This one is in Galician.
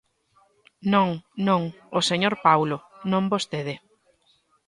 Non, non, o señor Paulo, non vostede.